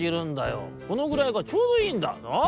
このぐらいがちょうどいいんだなあ？